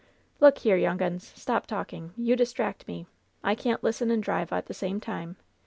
"Look here, young uns! Stop talking; you distract me. I can't listen and drive at the same time.